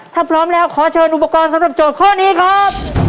ถ้าพร้อมแล้วขอเชิญอุปกรณ์สำหรับโจทย์ข้อนี้ครับ